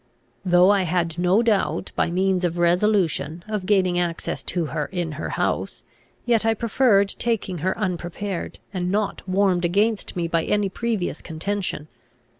Though I had no doubt, by means of resolution, of gaining access to her in her house, yet I preferred taking her unprepared, and not warmed against me by any previous contention.